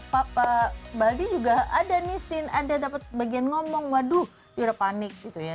papa baldi juga ada nih scene ada dapet bagian ngomong waduh udah panik gitu ya